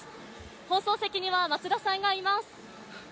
放送席には松田さんがいます。